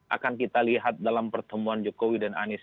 akan kita lihat dalam pertemuan jokowi dan anies